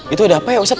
itu ada apa ya usat